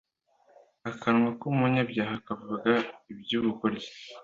akanwa k’umunyabyaha kavuga iby’ubugoryi